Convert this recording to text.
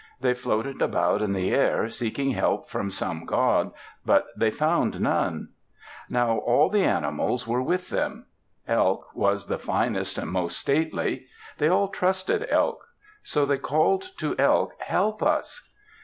They floated about in the air, seeking help from some god; but they found none. Now all the animals were with them. Elk was the finest and most stately. They all trusted Elk. So they called to Elk, "Help us."